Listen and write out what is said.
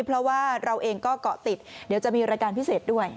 เพราะว่าเราเองก็เกาะติดเดี๋ยวจะมีรายการพิเศษด้วย